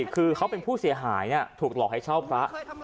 คือเขาเป็นผู้เสียหายถูกหลอกให้เช่าพระ